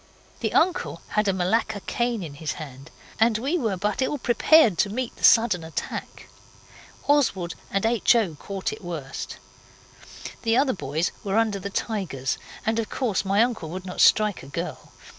The uncle had a Malacca cane in his hand, and we were but ill prepared to meet the sudden attack. Oswald and H. O. caught it worst. The other boys were under the tigers and of course my uncle would not strike a girl.